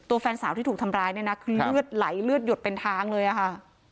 แฟนสาวที่ถูกทำร้ายเนี่ยนะคือเลือดไหลเลือดหยดเป็นทางเลยอะค่ะ